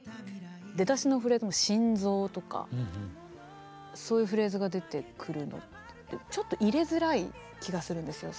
出だしのフレーズの「心臓」とかそういうフレーズが出てくるのってちょっと入れづらい気がするんですよ。